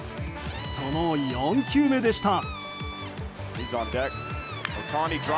その４球目でした。